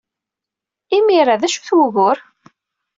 I yimir-a, d acu-t wugur?